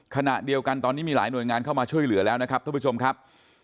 ขณะเดียวกันตอนนี้มีหลายหน่วยงานเข้ามาช่วยเหลือแล้วนะครับท่านผู้ชมครับ